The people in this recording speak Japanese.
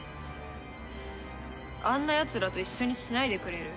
あんなやつらと一緒にしないでくれる？